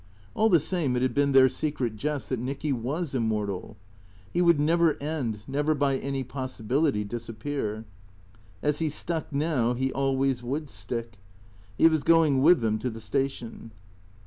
All the same, it had been their secret jest that Nicky ivas immortal. He would never end, never by any possibility disappear. As he stuck now, he always would stick. He was going with them to the station.